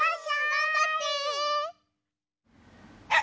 がんばって！